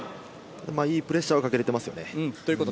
いいプレッシャーはかけられていますよね。